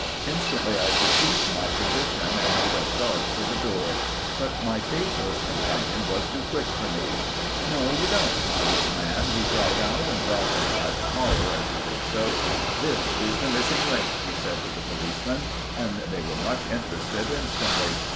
Instantly I perceived my position and made a dart for the door; but my faithless companion was too quick for me. "No, you don't, my little man!" he cried out, and grabbed me by the collar as he did so. "This is the missing link," he said to the policemen, and they were much interested instantly.